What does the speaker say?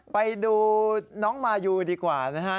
ไปดูน้องมายูดีกว่านะฮะ